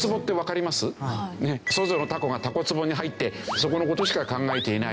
それぞれのタコがタコつぼに入ってそこの事しか考えていない。